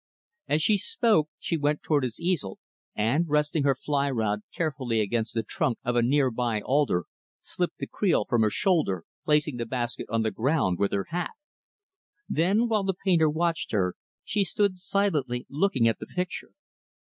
As she spoke, she went toward his easel, and, resting her fly rod carefully against the trunk of a near by alder, slipped the creel from her shoulder, placing the basket on the ground with her hat. Then, while the painter watched her, she stood silently looking at the picture.